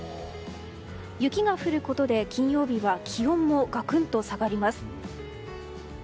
雪が降ることで金曜日は気温もがくんと下がります。